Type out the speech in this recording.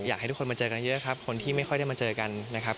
อยากให้ทุกคนมาเจอกันเยอะครับคนที่ไม่ค่อยได้มาเจอกันนะครับ